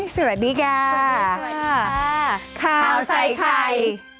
สวัสดีค่ะขอบคุณค่ะขาวใส่ไข่